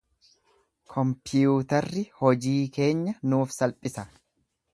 Kompiyuutarri hojii keenya nuuf salphisa.